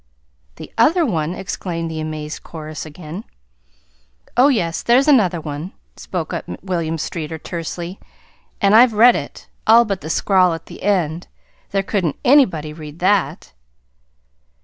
"The other one!" exclaimed the amazed chorus again. "Oh, yes, there's another one," spoke up William Streeter tersely. "And I've read it all but the scrawl at the end. There couldn't anybody read that!"